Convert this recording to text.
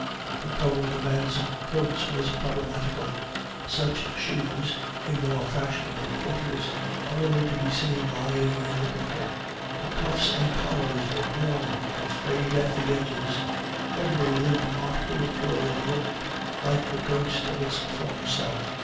The color of the men's coats were problematical; such shoes, in more fashionable quarters, are only to be seen lying in the gutter; the cuffs and collars were worn and frayed at the edges; every limp article of clothing looked like the ghost of its former self.